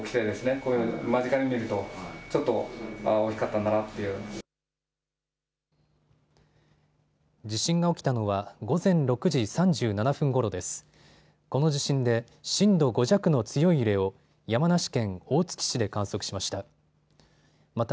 この地震で震度５弱の強い揺れを山梨県大月市で観測しました。